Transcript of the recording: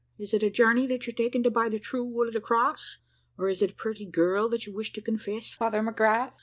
Is it a journey that you're taking to buy the true wood of the cross; or is it a purty girl that you wish to confess, Father McGrath?